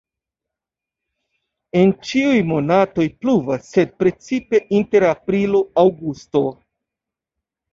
En ĉiuj monatoj pluvas, sed precipe inter aprilo-aŭgusto.